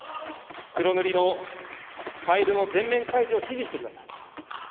黒塗りのファイルの全面開示を指示してください。